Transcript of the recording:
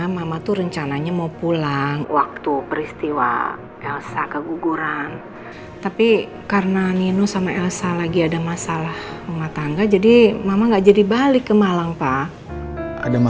sampai jumpa di video selanjutnya